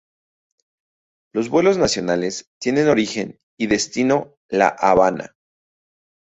Los vuelos nacionales tienen origen y destino La Habana.